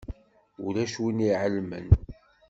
Ulac win i iɛelmen.